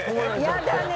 やだね。